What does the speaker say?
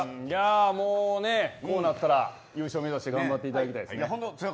こうなったら優勝目指して頑張っていただきたい。